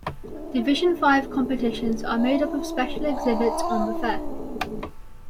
Division Five competitions are made up of special exhibits on the fair.